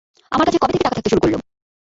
আমার কাছে কবে থেকে টাকা খাকতে শুরু করলো?